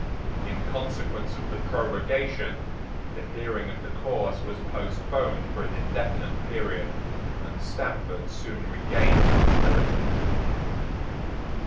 In consequence of the prorogation, the hearing of the cause was postponed for an indefinite period; and Stamford soon regained his liberty.